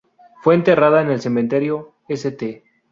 Fue enterrada en el Cementerio St.